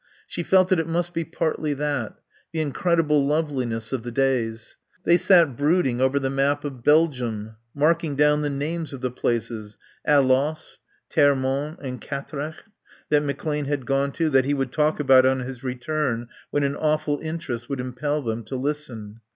She felt that it must be partly that. The incredible loveliness of the days. They sat brooding over the map of Belgium, marking down the names of the places, Alost, Termonde and Quatrecht, that McClane had gone to, that he would talk about on his return, when an awful interest would impel them to listen.